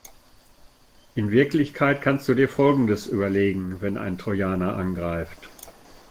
In Wirklichkeit kannst du dir Folgendes überlegen, wenn ein Trojaner angreift.